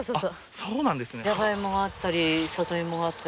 そうなんですね。